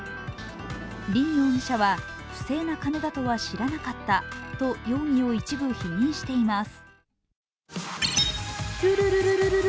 林容疑者は不正な金だとは知らなかったと容疑を一部否認しています。